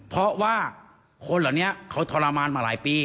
เพราะว่าคนเหล่านี้เขาทรมานมาหลายปี